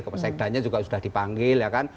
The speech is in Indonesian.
kepesekdanya juga sudah dipanggil ya kan